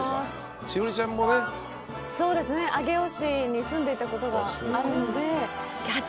上尾市に住んでいたことがあるので。